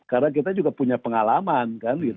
karena kita juga punya pengalaman